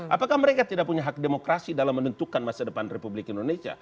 apakah mereka tidak punya hak demokrasi dalam menentukan masa depan republik indonesia